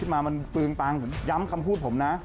ขึ้นมามันเฟืองตังค์ย้ำคำพูดผมนะ